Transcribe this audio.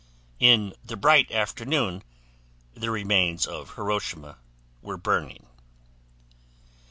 In the bright afternoon, the remains of Hiroshima were burning.